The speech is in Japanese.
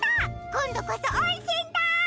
こんどこそおんせんだ！